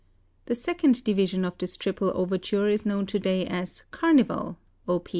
The second division of this triple overture is known to day as "Carnival" (Op.